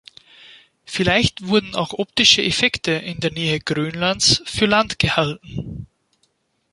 Vielleicht wurden auch optische Effekte in der Nähe Grönlands für Land gehalten.